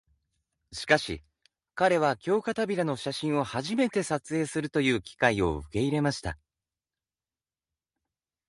しかし、彼は経帷子の写真を初めて撮影するという機会を受け入れました。